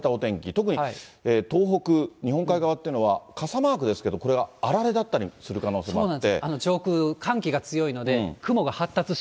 特に東北、日本海側っていうのは、傘マークですけど、これはあられだったりする可能性もあって。